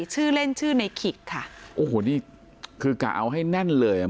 ชื่อเล่นชื่อในขิกค่ะโอ้โหนี่คือกะเอาให้แน่นเลยอ่ะ